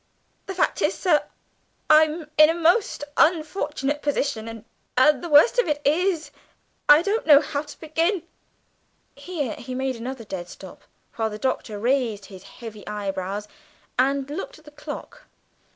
"The fact is, sir, I'm in a most unfortunate position, and and the worst of it is, I don't know how to begin." Here he made another dead stop, while the Doctor raised his heavy eyebrows, and looked at the clock.